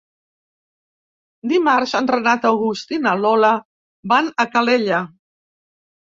Dimarts en Renat August i na Lola van a Calella.